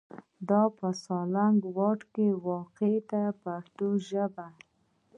دا په سالنګ واټ کې واقع ده په پښتو ژبه.